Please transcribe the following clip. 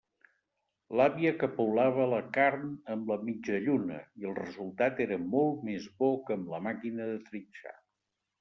L'àvia capolava la carn amb la mitjalluna, i el resultat era molt més bo que amb la màquina de trinxar.